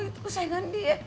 itu kesayangan dia